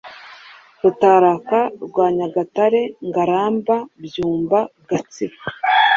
Rutaraka rwa Nyagatare Ngaramba Byumba Gatsibo